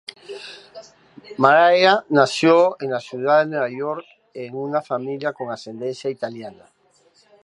Mariah nació en la ciudad de Nueva York, en una familia con ascendencia italiana.